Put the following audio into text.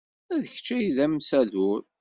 D kečč ay d amsadur.